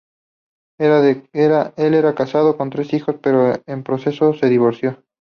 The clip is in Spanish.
Él era casado y con tres hijos, pero en proceso de divorcio.